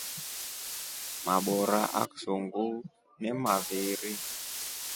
Mabora aksunguu nemaviiri.